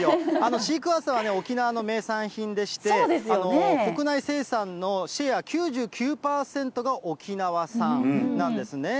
シークワーサーは沖縄の名産品でして、国内生産のシェア９９％が沖縄産なんですね。